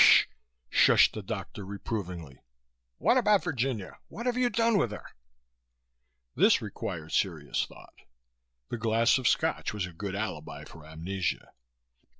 shushed the doctor reprovingly. "What about Virginia? What have you done with her?" This required serious thought. The glass of Scotch was a good alibi for amnesia.